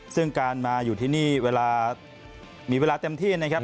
ซึ่งการมาอยู่ที่นี่เวลามีเวลาเต็มที่นะครับ